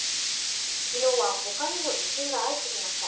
昨日は他にも地震が相次ぎました。